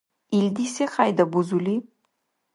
Илди секьяйда бузули?